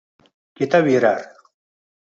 Ketaverar